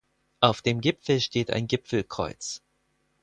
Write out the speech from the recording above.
Auf dem Gipfel steht ein Gipfelkreuz.